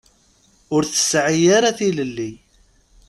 Ur tesɛi ara tilelli.